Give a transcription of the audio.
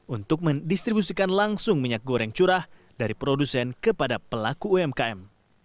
untuk mendistribusikan langsung minyak goreng curah dari produsen kepada pelaku umkm